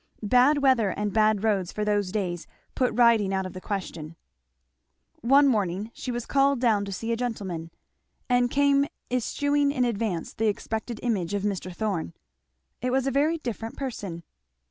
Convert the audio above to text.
Bad weather and bad roads for those days put riding out of the question. One morning she was called down to see a gentleman, and came eschewing in advance the expected image of Mr. Thorn. It was a very different person.